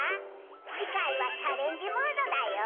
次回はチャレンジモードだよ。